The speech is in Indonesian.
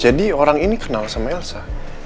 jadi orang ini kenal sama elsa